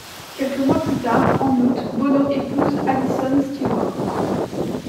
Quelques mois plus tard, en août, Bono épouse Alison Stewart.